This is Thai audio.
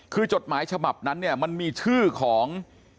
คือจดหมายฉบับนั้นเนี่ยมันมีชื่อของ